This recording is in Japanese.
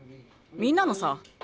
みんなのさ。